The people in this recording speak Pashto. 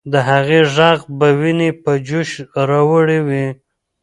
د هغې ږغ به ويني په جوش راوړي وي.